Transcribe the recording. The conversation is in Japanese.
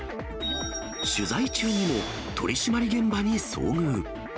取材中にも、取締り現場に遭遇。